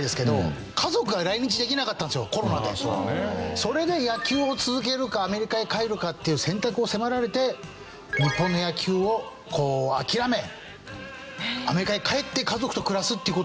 それで野球を続けるかアメリカへ帰るかっていう選択を迫られて日本の野球をこう諦めアメリカへ帰って家族と暮らすっていう事を選んだんですよ。